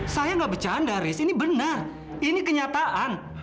saya nggak bercanda res ini benar ini kenyataan